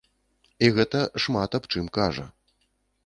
І гэта шмат аб чым кажа.